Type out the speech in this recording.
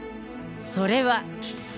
それは。